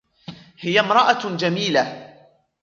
هي امراة جميلة.